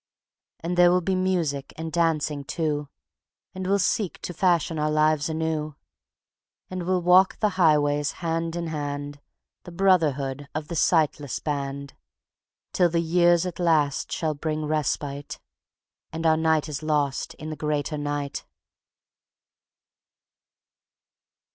And there will be music and dancing too, And we'll seek to fashion our life anew; And we'll walk the highways hand in hand, The Brotherhood of the Sightless Band; Till the years at last shall bring respite And our night is lost in the Greater Night.